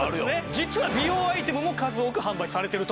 実は美容アイテムも数多く販売されていると。